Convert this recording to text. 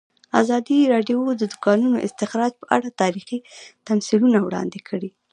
ازادي راډیو د د کانونو استخراج په اړه تاریخي تمثیلونه وړاندې کړي.